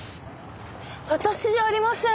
私じゃありません。